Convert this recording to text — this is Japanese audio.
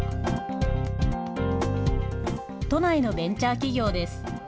都内のベンチャー企業です。